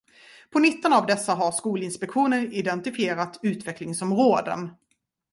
På nitton av dessa har Skolinspektionen identifierat utvecklingsområden.